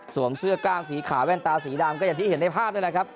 เสื้อกล้ามสีขาวแว่นตาสีดำก็อย่างที่เห็นในภาพนี่แหละครับ